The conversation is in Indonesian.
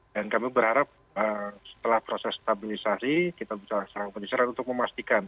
dan kami berharap setelah proses stabilisasi kita bisa melakukan penyisiran untuk memastikan